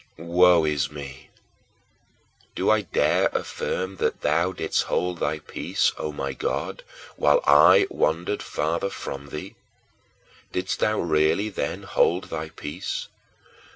7. Woe is me! Do I dare affirm that thou didst hold thy peace, O my God, while I wandered farther away from thee? Didst thou really then hold thy peace?